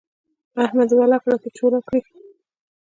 احمد يې ولاکه راته چوله کړي.